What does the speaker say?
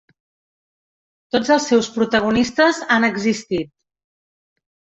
Tots els seus protagonistes han existit.